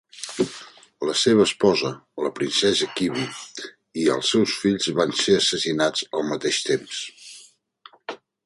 La seva esposa, la princesa Kibi, i els seus fills van ser assassinats al mateix temps.